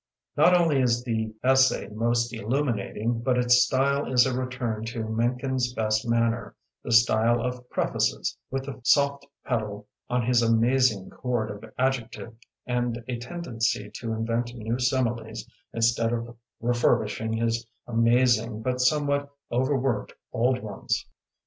Not only is the essay most illuminating but its style is a return to Mencken's best manner, the style of "Prefaces", with the soft pedal on his amazing chord of adjectives and a tendency to invent new similes instead of refur bishing his amusing but somewhat overworked old ones.